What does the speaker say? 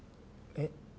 えっ！？